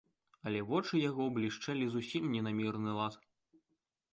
Але вочы яго блішчэлі зусім не на мірны лад.